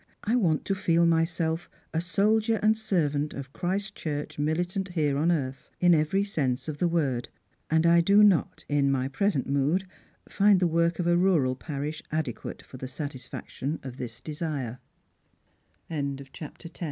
I want to feel mj'self a soldier and servant of Christ's church militant here on earth, in every sense of the word ; and I do not m my present mood find the work of a rural parish adequate for the sat